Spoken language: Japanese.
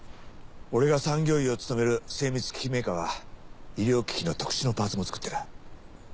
俺が産業医を務める精密機器メーカーは医療機器の特殊なパーツも作ってる。